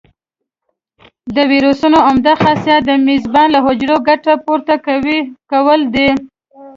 د ویروسونو عمده خاصیت د میزبان له حجرې ګټه پورته کول دي.